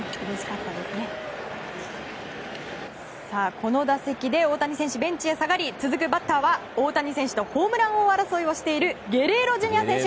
この打席で大谷選手ベンチに下がり続くバッターは大谷選手とホームラン争いをしているゲレーロＪｒ．選手。